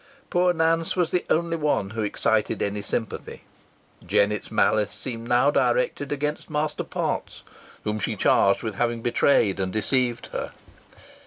Poor Nance was the only one who excited any sympathy. Jennet's malice seemed now directed against Master Potts, whom she charged with having betrayed and deceived her.